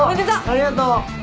ありがとう。